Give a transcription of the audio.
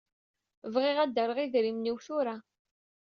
Bɣiɣ ad d-rreɣ idrimen-iw tura.